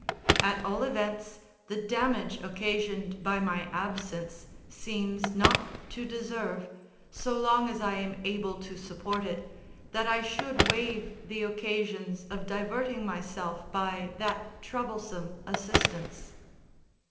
At all events, the damage occasioned by my absence seems not to deserve, so long as I am able to support it, that I should waive the occasions of diverting myself by that troublesome assistance.